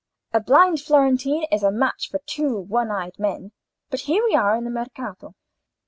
a blind Florentine is a match for two one eyed men. But here we are in the Mercato."